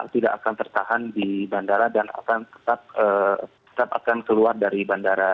tidak akan tertahan di bandara dan akan tetap akan keluar dari bandara